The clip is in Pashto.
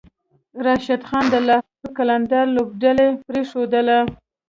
راشد خان د لاهور قلندرز لوبډله پریښودله